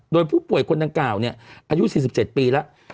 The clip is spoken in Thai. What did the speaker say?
โดยผู้ป่วยคนดังกล่าวเนี้ยอายุสี่สิบเจ็ดปีแล้ว